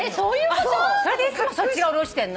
それでそっち側下ろしてんの？